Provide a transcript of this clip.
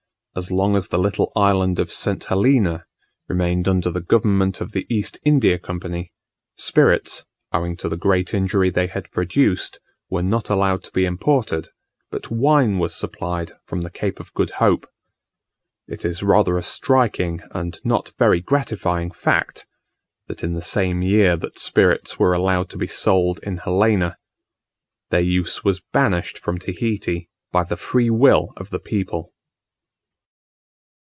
As long as the little island of St. Helena remained under the government of the East India Company, spirits, owing to the great injury they had produced, were not allowed to be imported; but wine was supplied from the Cape of Good Hope. It is rather a striking and not very gratifying fact, that in the same year that spirits were allowed to be sold in Helena, their use was banished from Tahiti by the free will of the people.